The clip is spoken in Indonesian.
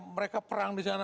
mereka perang disana